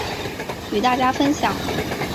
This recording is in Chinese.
与大家分享